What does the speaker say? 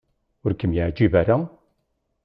Ur kem-yeɛjib ara?